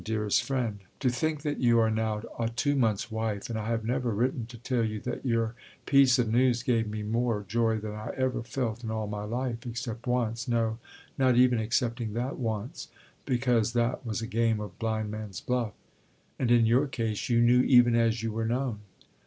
DEAREST FRIEND To think that you are now a two months' wife, and I have never written to tell you that your piece of news gave me more joy than I ever felt in all my life, except once, no, not even excepting that once, because that was a game of Blind man's Buff, and in your case you knew even as you were known.